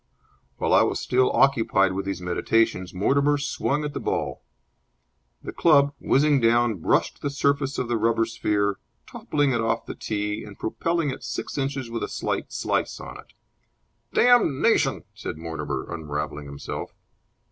While I was still occupied with these meditations Mortimer swung at the ball. The club, whizzing down, brushed the surface of the rubber sphere, toppling it off the tee and propelling it six inches with a slight slice on it. "Damnation!" said Mortimer, unravelling himself.